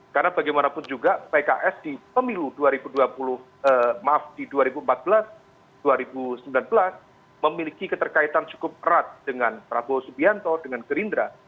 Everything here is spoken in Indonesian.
karena bagaimanapun juga pks di pemilu dua ribu empat belas dua ribu sembilan belas memiliki keterkaitan cukup erat dengan prabowo subianto dengan gerindra